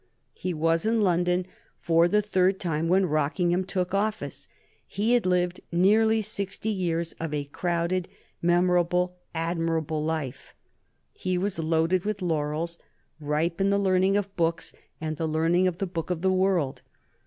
He was in London for the third time when Rockingham took office. He had lived nearly sixty years of a crowded, memorable, admirable life; he was loaded with laurels, ripe in the learning of books and the learning of the book of the world.